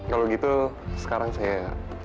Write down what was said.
kalau gitu sekarang saya